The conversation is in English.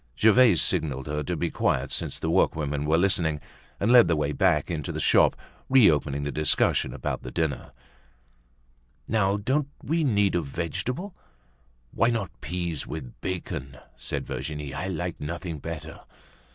Gervaise signaled her to be quiet since the workwomen were listening and led the way back into the shop, reopening the discussion about the dinner. "Now, don't we need a vegetable?" "Why not peas with bacon?" said Virginie. "I like nothing better."